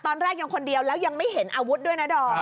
ตอนแรกยังคนเดียวแล้วยังไม่เห็นอาวุธด้วยนะดอม